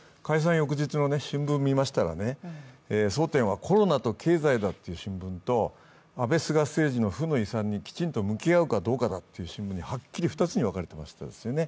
翌日の新聞を見ましたら、争点はコロナと経済だという新聞と安倍・菅政治の負の遺産にきちんと向き合うべきだという新聞と、はっきり２つに分かれていました。